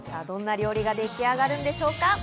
どんな料理ができ上がるんでしょうか。